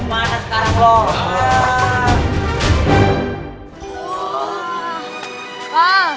mana sekarang loh